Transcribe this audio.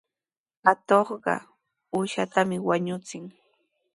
Atuqqa uushatami wañuchin.